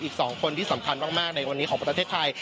อีก๒คนที่สำคัญมากในวันนี้ของประเทศไทย